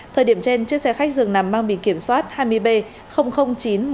thời điểm trên chiếc xe khách rừng nằm mang bình kiểm soát hai mươi b chín trăm một mươi một chở ba mươi năm khách